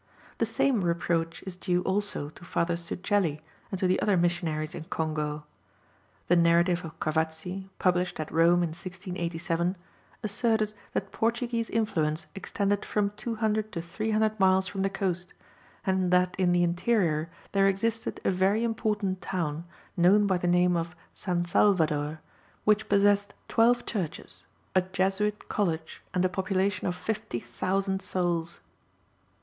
The same reproach is due also to Father Zucchelli and to the other Missionaries in Congo. The narrative of Cavazzi, published at Rome in 1687, asserted that Portuguese influence extended from 200 to 300 miles from the coast, and that in the interior there existed a very important town, known by the name of San Salvador, which possessed twelve churches, a Jesuit college, and a population of 50,000 souls.